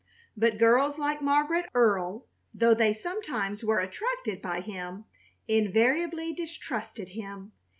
But girls like Margaret Earle, though they sometimes were attracted by him, invariably distrusted him.